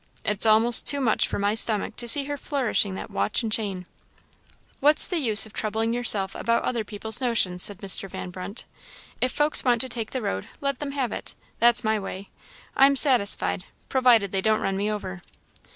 It's a'most too much for my stomach to see her flourishing that watch and chain." "What's the use of troubling yourself about other people's notions?" said Mr. Van Brunt. "If folks want to take the road, let them have it. That's my way. I am satisfied, provided they don't run me over."